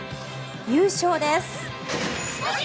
優勝です。